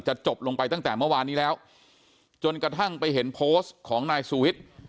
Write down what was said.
จบลงไปตั้งแต่เมื่อวานนี้แล้วจนกระทั่งไปเห็นโพสต์ของนายสุวิทย์